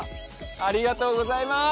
ありがとうございます！